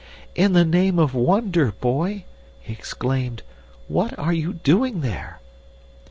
"'In the name of wonder, boy,' he exclaimed, 'what are you doing there?